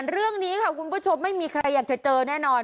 เรื่องนี้ค่ะคุณผู้ชมไม่มีใครอยากจะเจอแน่นอน